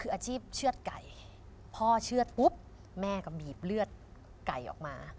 คืออาชีพเชื่อดไก่พ่อเชื่อดปุ๊บแม่ก็บีบเลือดไก่ออกมา